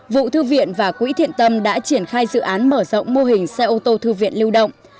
vụ thư viện và quỹ thiện tâm đã triển khai dự án mở rộng mô hình xe ô tô thư viện lưu động